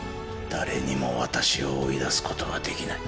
誰にも私を追い出すことはできない。